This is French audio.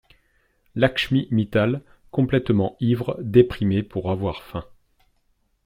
Lakshmi Mittal complètement ivre déprimait pour avoir faim.